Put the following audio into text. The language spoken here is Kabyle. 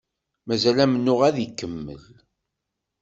Mazal amennuɣ ad ikemmel.